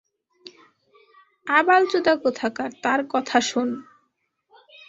আব্লাচোদা কোথাকার, তার কথা শোন!